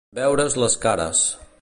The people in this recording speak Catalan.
Veure's les cares.